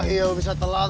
iya bisa telat